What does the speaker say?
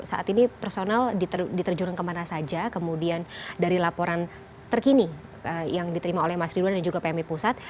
saat ini personal diterjun kemana saja kemudian dari laporan terkini yang diterima oleh mas ridwan dan juga pmi pusat